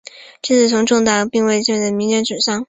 这次中弹并未造成显着损伤。